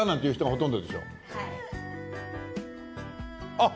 あっ！